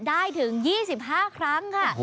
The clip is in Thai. ถึง๒๕ครั้งค่ะ